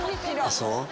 そう？